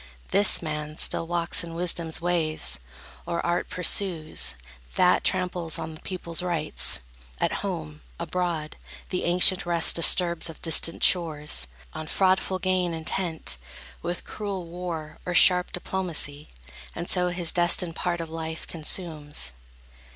This man still walks in wisdom's ways, or art Pursues; that tramples on the people's rights, At home, abroad; the ancient rest disturbs Of distant shores, on fraudful gain intent, With cruel war, or sharp diplomacy; And so his destined part of life consumes.